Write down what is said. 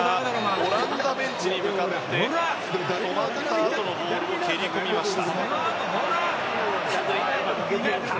オランダベンチに向かってボールを蹴り込みました。